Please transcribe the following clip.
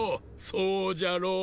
そうじゃろう。